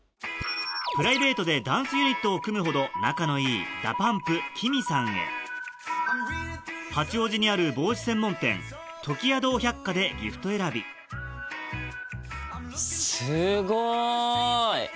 プライベートでダンスユニットを組むほど仲のいいＤＡＰＵＭＰＫＩＭＩさんへ八王子にある帽子専門店時谷堂百貨でギフト選びすごい！